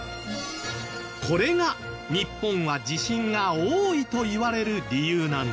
これが日本は地震が多いといわれる理由なんです。